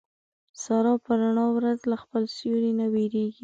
ساره په رڼا ورځ له خپل سیوري نه وېرېږي.